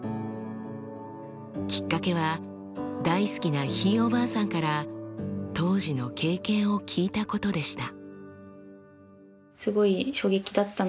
きっかけは大好きなひいおばあさんから当時の経験を聞いたことでした。